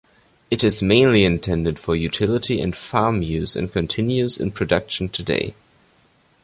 It is mainly intended for utility and farm use and continues in production today.